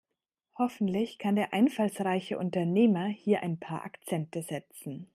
Hoffentlich kann der einfallsreiche Unternehmer hier ein paar Akzente setzen.